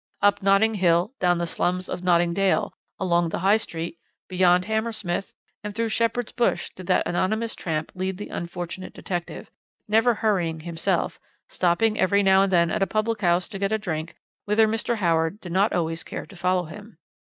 Up Notting Hill, down the slums of Notting Dale, along the High Street, beyond Hammersmith, and through Shepherd's Bush did that anonymous tramp lead the unfortunate detective, never hurrying himself, stopping every now and then at a public house to get a drink, whither Mr. Howard did not always care to follow him.